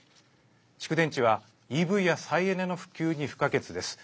蓄電池はＥＶや再エネの普及に不可欠です。